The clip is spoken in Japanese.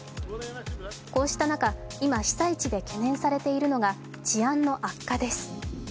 こうした中、今、被災地で懸念されているのが治安の悪化です。